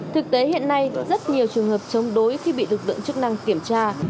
thực tế hiện nay rất nhiều trường hợp chống đối khi bị lực lượng chức năng kiểm tra